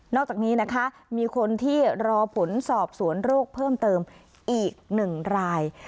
อกจากนี้นะคะมีคนที่รอผลสอบสวนโรคเพิ่มเติมอีก๑ราย